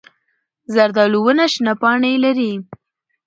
زردالو ونه شنه پاڼې لري.